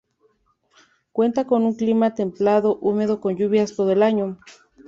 Cuenta con un clima templado húmedo con lluvias todo el año.